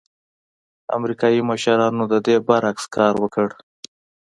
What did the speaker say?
امریکايي مشرانو د دې برعکس کار وکړ.